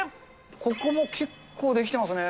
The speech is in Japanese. ここも結構出来てますね。